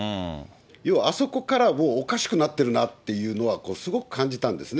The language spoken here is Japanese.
要はあそこからもうおかしくなってるなっていうのはすごく感じたんですね。